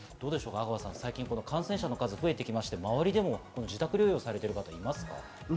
阿川さん、最近感染者の数が増えてきまして、周りでも自宅療養されている方いますか？